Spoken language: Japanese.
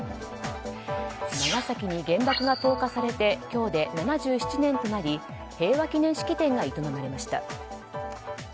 長崎に原爆が投下されて今日で７７年となり平和祈念式典が営まれました。